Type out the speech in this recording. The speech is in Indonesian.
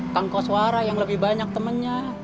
kang koswara yang lebih banyak temennya